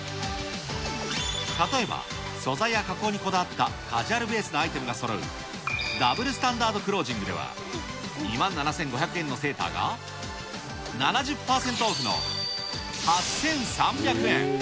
例えば、素材や加工にこだわったカジュアルベースのアイテムがそろうダブル・スタンダード・クロージングでは、２万７５００円のセーターが、７０％オフの８３００円。